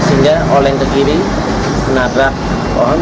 sehingga oleng ke kiri menabrak pohon